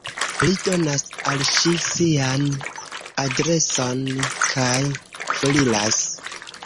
Li donas al ŝi sian adreson kaj foriras.